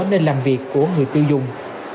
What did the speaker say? nên làm việc của người tiêu dùng